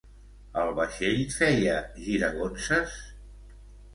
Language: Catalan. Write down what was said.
El vaixell feia giragonses?